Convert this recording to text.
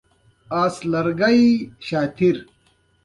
ایا ستاسو تګ راتګ به ډیر وي؟